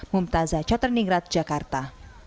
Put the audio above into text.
mumtazah caterning rat jakarta